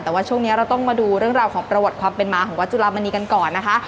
แต่ว่าช่วงนี้เราต้องมาดูเรื่องราวของประวัติความเป็นมาของวัดจุลามณีกันก่อนนะคะ